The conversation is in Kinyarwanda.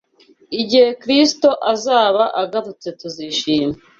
igihe Kristo azaba agarutse tuzishima